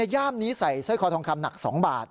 ย่ามนี้ใส่สร้อยคอทองคำหนัก๒บาท